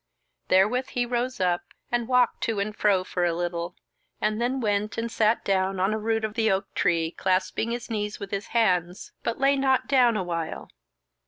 Therewith he rose up, and walked to and fro for a little, and then went, and sat down on a root of the oak tree, clasping his knees with his hands, but lay not down awhile.